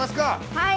はい！